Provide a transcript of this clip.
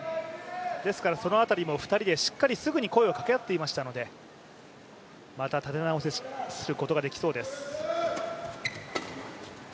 その辺りも２人でしっかりすぐに声を掛け合っていましたので、また立て直すことができそうです。